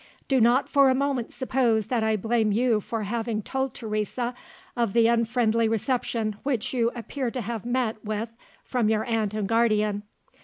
"Do not for a moment suppose that I blame you for having told Teresa of the unfriendly reception, which you appear to have met with from your aunt and guardian.